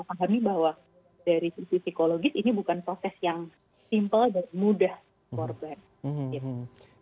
kita pahami bahwa dari sisi psikologis ini bukan proses yang simple dan mudah korban